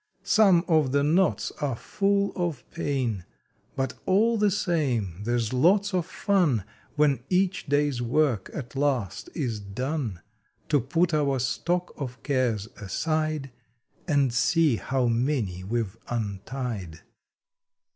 A Some of the Knots are full of pain, But all the same there s lots of fun When each day s work at last is done, To put our stock of cares aside And see how many we ve untied.